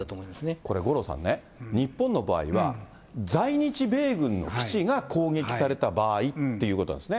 これ、五郎さんね、日本の場合は、在日米軍の基地が攻撃された場合っていうことなんですね。